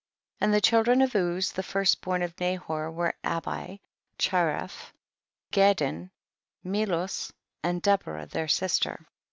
20. And the children of Uz the first born of Nahor were Abi, Che ref, Gadin, Mclus, and Deborah their sister.